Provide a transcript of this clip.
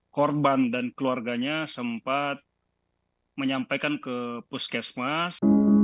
korban dan keluarganya sempat menyampaikan ke puskesmas